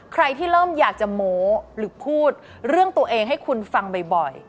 ใครที่เริ่มอยากจะโม้หรือพูดเรื่องตัวเองให้คุณฟังบ่อย